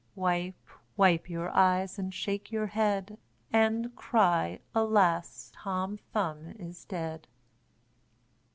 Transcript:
Wipe, wipe your eyes, and shake your head And cry, 'Alas! Tom Thumb is dead.'"